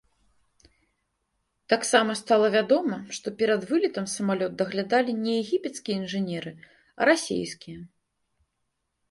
Таксама стала вядома, што перад вылетам самалёт даглядалі не егіпецкія інжынеры, а расейскія.